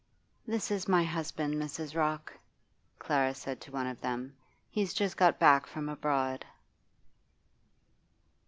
'This is my husband, Mrs. Rook,' Clara said to one of them. 'He's just got back from abroad.